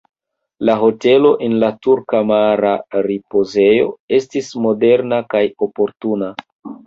La hotelo en la turka mara ripozejo estis moderna kaj oportuna.